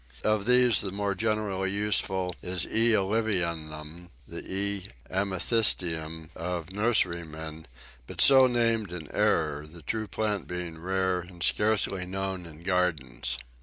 Of these the more generally useful is E. Oliverianum, the E. amethystinum of nurserymen, but so named in error, the true plant being rare and scarcely known in gardens.